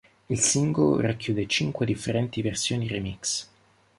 Il singolo racchiude cinque differenti versioni remix.